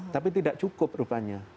tapi tidak cukup rupanya